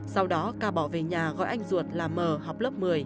sau đó ca bỏ về nhà gọi anh ruột là mờ học lớp một mươi